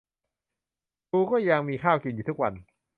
กูก็ยังมีข้าวกินอยู่ทุกวัน